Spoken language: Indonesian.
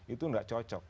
itu tidak cocok